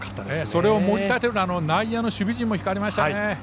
それを守り立てる内野の守備陣も光りましたね。